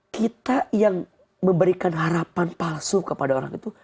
kita yang memberikan harapan palsu kepada orang itu